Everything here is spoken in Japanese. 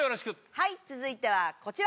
はい続いてはこちら。